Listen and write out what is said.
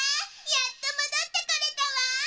やっともどってこれたわ！